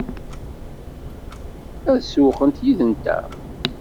Ad sewwqent yid-nteɣ?